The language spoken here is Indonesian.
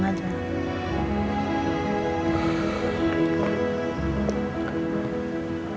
dan hikmahnya lagi